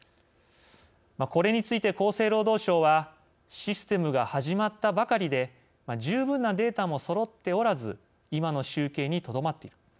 これについて厚生労働省は「システムが始まったばかりで十分なデータもそろっておらず今の集計にとどまっている。